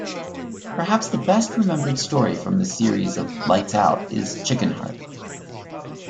Perhaps the best remembered story from this series of "Lights Out" is "Chicken Heart".